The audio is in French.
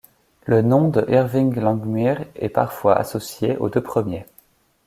Le nom de Irving Langmuir est parfois associé aux deux premiers.